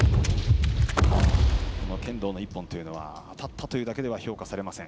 剣道の１本というのは当たっただけでは評価されません。